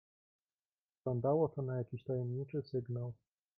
"Wyglądało to na jakiś tajemniczy sygnał."